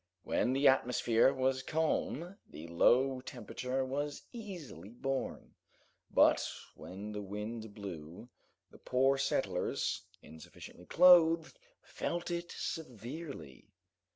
When the atmosphere was calm, the low temperature was easily borne, but when the wind blew, the poor settlers, insufficiently clothed, felt it severely.